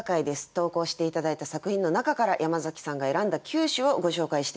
投稿して頂いた作品の中から山崎さんが選んだ九首をご紹介していきます。